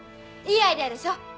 いいアイデアでしょ？